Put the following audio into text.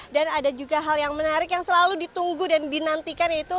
dan ada juga hal yang menarik yang selalu ditunggu dan dinantikan yaitu